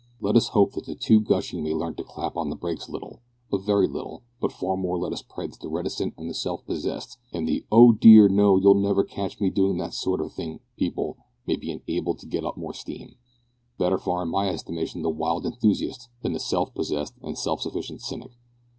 Let us hope that the too gushing may learn to clap on the breaks a little a very little; but far more let us pray that the reticent and the self possessed, and the oh! dear no you'll never catch me doing that sort of thing people, may be enabled to get up more steam. Better far in my estimation the wild enthusiast than the self possessed and self sufficient cynic.